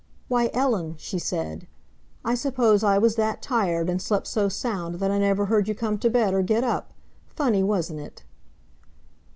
"Why, Ellen," she said, "I suppose I was that tired, and slept so sound, that I never heard you come to bed or get up—funny, wasn't it?"